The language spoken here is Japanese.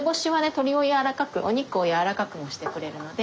鶏を軟らかくお肉を軟らかくもしてくれるので。